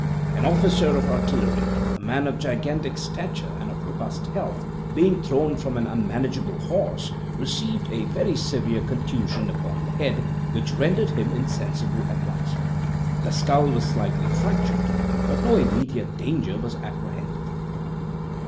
An officer of artillery, a man of gigantic stature and of robust health, being thrown from an unmanageable horse, received a very severe contusion upon the head, which rendered him insensible at once; the skull was slightly fractured, but no immediate danger was apprehended.